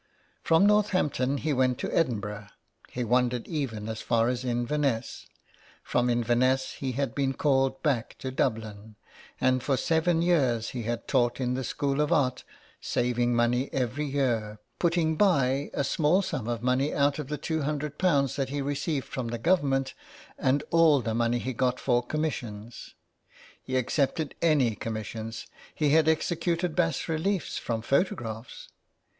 From Northampton he went to Edinburgh, he wandered even as far as Inverness. From Inverness he had been called back to Dublin, and for seven years he had taught in the school of art, saving money every year, putting by a small sum of money out of the two hundred pounds that he received from Government, and all the money he got for commis 10 IN THE CLAY. sions. He accepted any commission, he had executed bas reliefs from photographs.